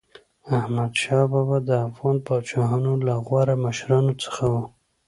احمدشاه بابا د افغان پاچاهانو له غوره مشرانو څخه و.